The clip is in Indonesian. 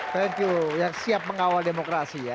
thank you yang siap mengawal demokrasi ya